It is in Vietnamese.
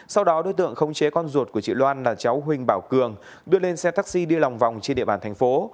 sau đó đối tượng khống chế con ruột của chị loan là cháu huỳnh bảo cường đưa lên xe taxi đi lòng vòng trên địa bàn thành phố